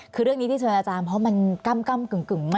คือเรื่องนี้ที่เชิญอาจารย์เพราะมันก้ำกึ่งมาก